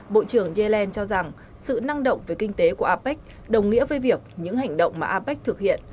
bộ trưởng yellen cho rằng sự năng động về kinh tế của apec đồng nghĩa với việc những hành động mà apec thực hiện